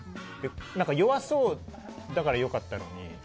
弱そうだから良かったのに。